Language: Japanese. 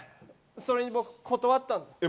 それに僕、断ったんだ。